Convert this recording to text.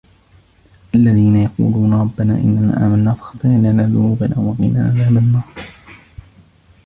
الذين يقولون ربنا إننا آمنا فاغفر لنا ذنوبنا وقنا عذاب النار